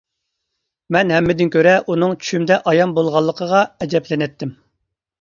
مەن ھەممىدىن كۆرە ئۇنىڭ چۈشۈمدە ئايان بولغانلىقىغا ئەجەبلىنەتتىم.